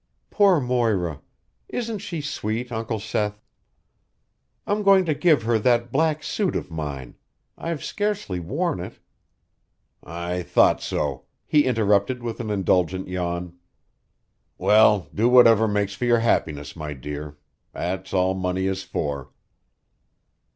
"Poor Moira! Isn't she sweet, Uncle Seth? I'm going to give her that black suit of mine. I've scarcely worn it " "I thought so," he interrupted with an indulgent yawn. "Well, do whatever makes for your happiness, my dear. That's all money is for."